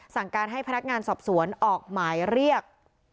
สั่งการให้พนักงานสอบสวนออกหมายเรียก